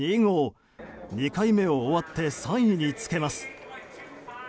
２回目を終わって３位につけます。